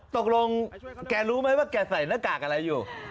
ตกลงแกรู้ไหมว่าแกใส่หน้ากากอะไรอยู่